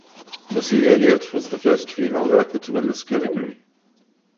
Missy Elliott was the first female rapper to win this category.